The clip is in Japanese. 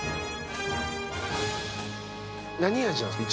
何味なんすか？